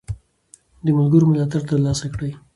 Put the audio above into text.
د ملګرو ملاتړ ترلاسه کړئ.